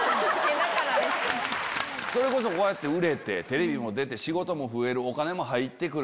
それこそこうやって売れてテレビも出て仕事も増えるお金も入って来る。